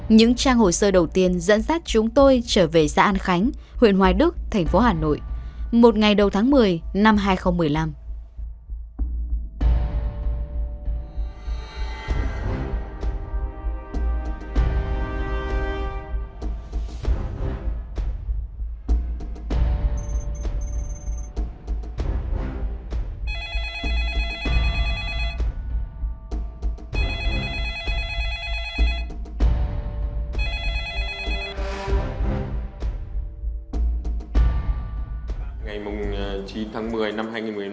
những trang hồ sơ đầu tiên dẫn dắt chúng tôi trở về xã an khánh huyện hoài đức thành phố hà nội một ngày đầu tháng một mươi năm hai nghìn một mươi năm